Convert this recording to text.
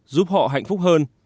giúp họ hạnh phúc hơn